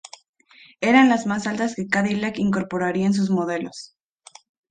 Eran las más altas que Cadillac incorporaría en sus modelos.